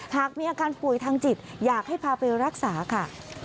หากมีอาการป่วยทางจิตอยากให้พาไปรักษาค่ะ